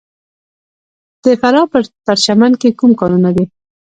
د فراه په پرچمن کې کوم کانونه دي؟